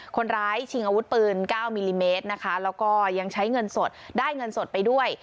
คนร้ายชิงอาวุธปืน๙มิลลิเมตรนะคะแล้วก็ยังใช้เงินสดได้เงินสดไปด้วย